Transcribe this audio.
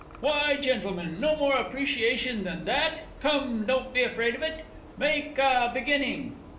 _) Why, Gentlemen, no more appreciation than that? Come, don't be afraid of it. Make a beginning.